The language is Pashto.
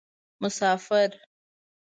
مسافر